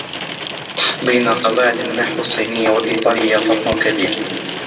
بين قواعد النحو الصينية و الإيطالية فرق كبير.